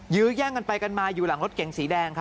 ยื้อแย่งกันไปกันมาอยู่หลังรถเก๋งสีแดง